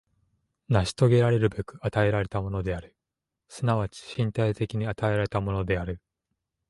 成し遂げらるべく与えられたものである、即ち身体的に与えられたものである。